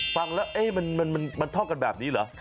ฟังแล้วมันท่องกันแบบนี้เหรอ